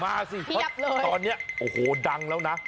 มาสิตอนนี้โอ้โหดังแล้วนะ